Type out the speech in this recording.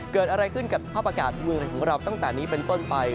เกิดอะไรขึ้นกับสภาพอากาศเมืองของเราตั้งแต่นี้เป็นต้นไป